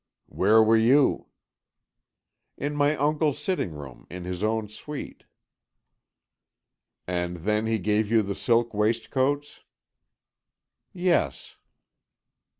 "Where were you?" "In my uncle's sitting room in his own suite." "And then he gave you the silk waistcoats?" "Yes."